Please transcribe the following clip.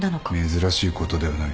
珍しいことではない。